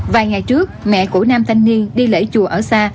vài ngày trước mẹ của nam thanh niên đi lễ chùa ở xa